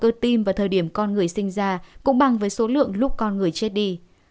cơ tim vào thời điểm con người sinh ra cũng bằng với số lượng lúc con người chết đi